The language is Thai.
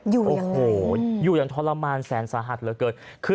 อยู่อย่างไงอยู่อย่างทรมานแสนสาหัสเหลือเกิน